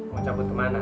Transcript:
mau cabut kemana